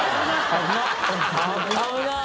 危ない！